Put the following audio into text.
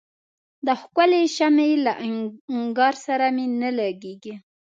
د ښکلي شمعي له انګار سره مي نه لګیږي